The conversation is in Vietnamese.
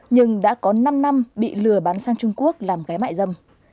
nhưng đã có năm năm bị lừa bán sang trung quốc làm ghé mại dâm